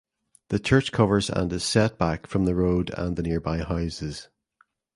The church covers and is set back from the road and the nearby houses.